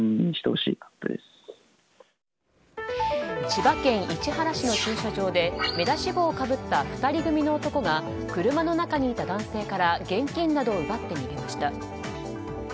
千葉県市原市の駐車場で目出し帽をかぶった２人組の男が車の中にいた男性から現金などを奪って逃げました。